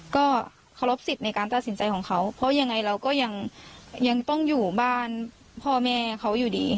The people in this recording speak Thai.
ก็เคารพสิทธิ์ในการตัดสินใจของเขาเพราะยังไงเราก็ยังต้องอยู่บ้านพ่อแม่เขาอยู่ดี